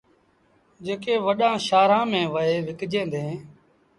جيڪي وڏآݩ شآهرآݩ ميݩ وهي وڪجيٚن ديٚݩ۔